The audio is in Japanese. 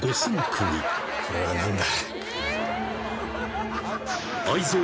「これは何だ」